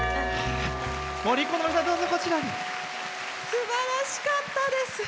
すばらしかったです。